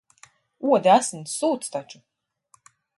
Odi asinis sūc taču.